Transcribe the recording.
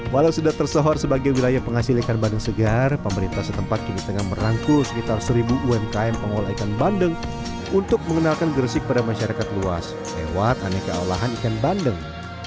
walau sudah tersohor sebagai wilayah penghasil ikan bandeng segar pemerintah setempat kini tengah merangkul sekitar seribu umkm pengolah ikan bandeng untuk mengenalkan gresik pada masyarakat luas lewat aneka olahan ikan bandeng